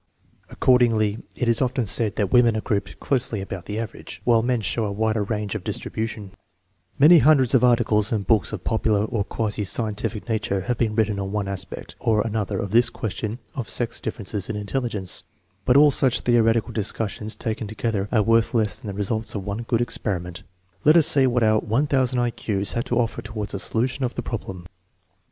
Accordingly it is often said that women are grouped closely abbut the average, while men show a wider range of distribution) Many irundreds of articles and books of popular or quasi scientific nature have been written on one aspect or another of this question of sex difference in intelligence; but all such theoretical discussions taken together are worth 70 THE MEASUREMENT OF INTELLIGENCE less than the results of one good experiment. Let us see what our 1000 I Q's have to offer toward a solution of the problem.